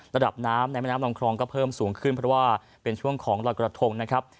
ระดับน้ำในแม่น้ำลำคลองก็เพิ่มสูงขึ้นเพราะว่าเป็นช่วงของลอยกระทงนะครับ